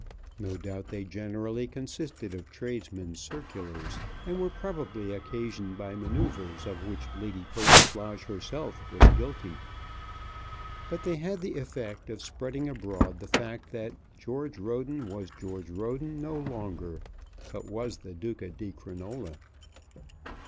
No doubt they generally consisted of tradesmen's circulars, and were probably occasioned by manoeuvres of which Lady Persiflage herself was guilty. But they had the effect of spreading abroad the fact that George Roden was George Roden no longer, but was the Duca di Crinola.